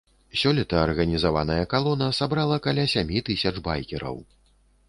Сёлета арганізаваная калона сабрала каля сямі тысяч байкераў.